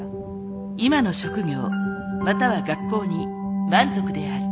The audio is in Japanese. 今の職業または学校に満足である。